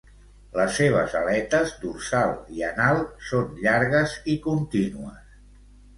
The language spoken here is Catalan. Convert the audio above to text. Les seves aletes dorsal i anal són llargues i contínues.